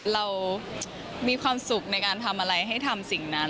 เรามีความสุขในการทำอะไรให้ทำสิ่งนั้น